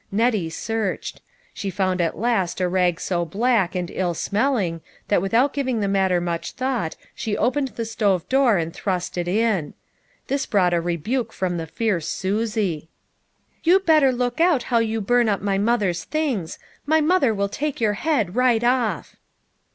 Nettie searched. She found at last a rag so black and ill smelling that without giving the matter much thought she opened the stove door and thrust it in. This brought a re buke from the fierce Susie. "You better look out how you burn up my mother's things. My mother will take your head right off."